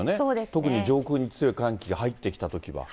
特に上空に強い寒気、入ってきたときは。